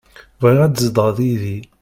Bɣiɣ ad tzedɣeḍ yid-i.